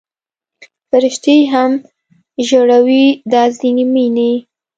فرشتې هم ژړوي دا ځینې مینې